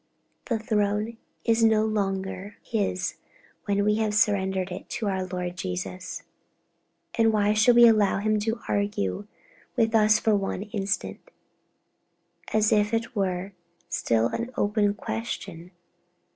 The throne is no longer his when we have surrendered it to our Lord Jesus. And why should we allow him to argue with us for one instant, as if it were still an open question?